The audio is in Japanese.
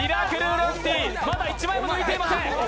まだ１枚も抜いてません。